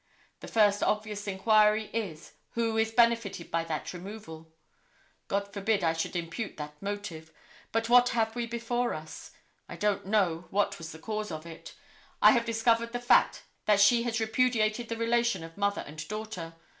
The first obvious inquiry is, who is benefited by that removal. God forbid I should impute that motive, but what have we before us? I don't know what was the cause of it. I have discovered the fact that she has repudiated the relation of mother and daughter.